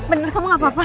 bener kamu gak apa apa